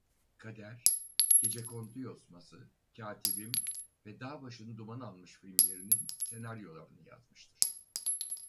Kader Gecekondu Yosması Katibim ve Dağ Başını Duman Almış filmlerinin senaryolarını yazmıştır.